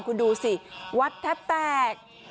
คุณดูสิวัดแทบแตก